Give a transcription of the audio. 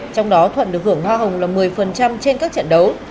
trong đó thuận được hưởng hoa hồng là một mươi trên các trận đấu